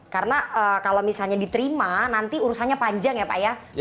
karena kalau misalnya diterima nanti urusannya panjang ya pak ya